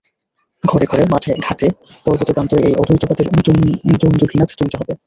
ঘরে ঘরে, মাঠে ঘাটে, পর্বতে প্রান্তরে এই অদ্বৈতবাদের দুন্দুভিনাদ তুলতে হবে।